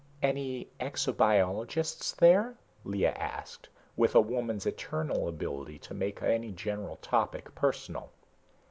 "Any exobiologists there?" Lea asked, with a woman's eternal ability to make any general topic personal.